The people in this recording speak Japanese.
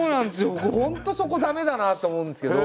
僕本当そこ駄目だなと思うんですけど。